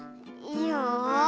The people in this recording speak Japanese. よし！